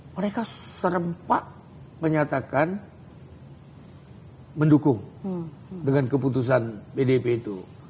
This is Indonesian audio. mereka serempak menyatakan mendukung dengan keputusan pdp itu